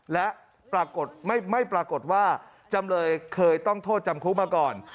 และปรากฏไม่ปรากฏว่าจำเลยเคยต้องโทษจำคุกมาก่อน